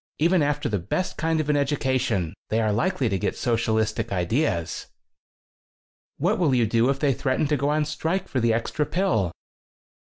Even after the best kind of an education they are likely to get socialistic ideas." 15 "What will you do if they threaten to go on strike for the extra pill?"